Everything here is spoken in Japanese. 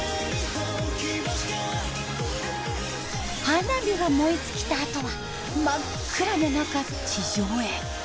花火が燃え尽きたあとは真っ暗の中地上へ。